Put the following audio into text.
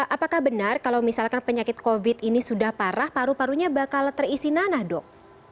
apakah benar kalau misalkan penyakit covid ini sudah parah paru parunya bakal terisi nanah dok